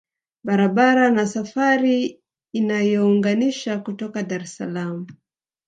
Barabara na safari inayounganisha kutoka Dar es salaam